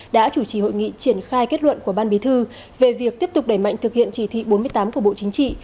đã chủ trì hội nghị triển khai kết luận của ban bí thư về việc tiếp tục đẩy mạnh thực hiện chỉ thị bốn mươi tám của bộ chính trị